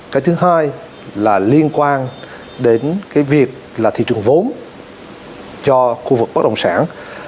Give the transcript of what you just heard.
cái thứ hai là liên quan đến việc là thị trường vốn cho khu vực bất đồng sản